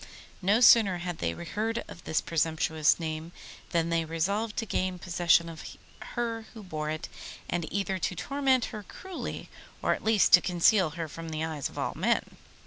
No sooner had they heard of this presumptuous name than they resolved to gain possession of her who bore it, and either to torment her cruelly, or at least to conceal her from the eyes of all men.